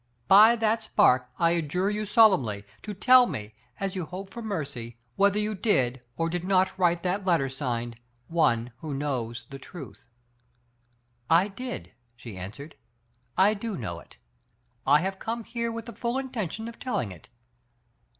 By that spark, I adjure you solemnly, to tell me, as you hope for mercy, whether you did or did not write that letter signed 'One who knows the truth'?'* "I did," she answered, "I do know it. I have come here with the full intention of telling it."